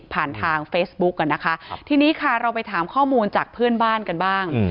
ทางเฟซบุ๊กอ่ะนะคะทีนี้ค่ะเราไปถามข้อมูลจากเพื่อนบ้านกันบ้าง